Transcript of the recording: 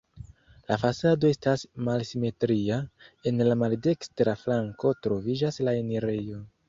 La fasado estas malsimetria, en la maldekstra flanko troviĝas la enirejo.